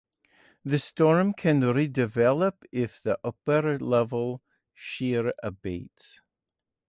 The storm can redevelop if the upper level shear abates.